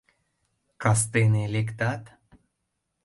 Кастене лектат?